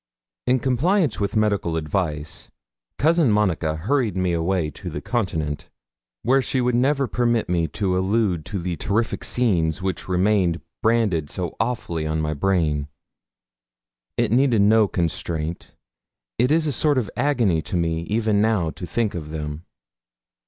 In compliance with medical advice, cousin Monica hurried me away to the Continent, where she would never permit me to allude to the terrific scenes which remain branded so awfully on my brain. It needed no constraint. It is a sort of agony to me even now to think of them.